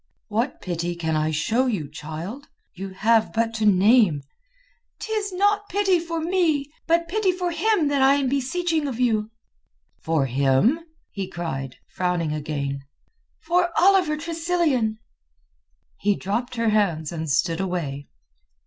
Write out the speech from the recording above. "What pity can I show you, child? You have but to name...." "'Tis not pity for me, but pity for him that I am beseeching of you." "For him?" he cried, frowning again. "For Oliver Tressilian." He dropped her hands and stood away.